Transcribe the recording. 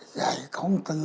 dạy công từ